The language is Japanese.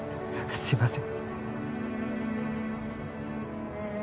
すいません